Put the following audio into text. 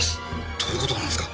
どういう事なんですか？